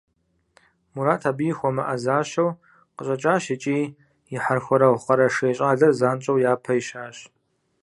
Мурат абыи хуэмыӏэзащэу къыщӏэкӏащ икӏи и хьэрхуэрэгъу къэрэшей щӏалэр занщӏэу япэ ищащ.